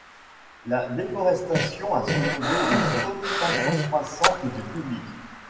La déforestation a soulevé une préoccupation croissante du public.